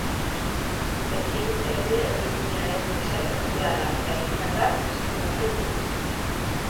Pekin herri-erdigunearen paisaia naturala eta hiritarra deskribatzen du.